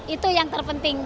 itu yang terpenting